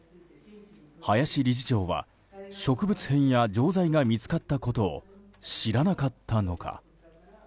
林理事長は植物片や錠剤が見つかったことを知らなかったのか。